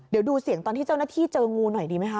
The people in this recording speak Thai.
เดี๋ยวดูเสียงตอนที่เจ้าหน้าที่เจองูหน่อยดีไหมค